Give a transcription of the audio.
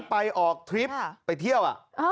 ไปออกทริปไปเที่ยว